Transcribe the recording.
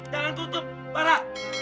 jangan tutup para